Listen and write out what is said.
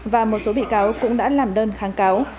và một số bị cáo cũng đã làm đơn kháng cáo